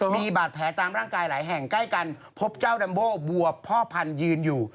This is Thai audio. มีบาดแผลตามร่างกายหลายแห่งใกล้กันพบเจ้าดัมโบพ่อพันธยืนอยู่